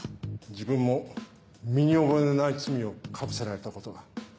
自分も身に覚えのない罪をかぶせられたことが。